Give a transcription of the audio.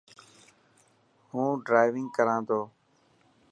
هون ڊرائونگ ڪران ٿو.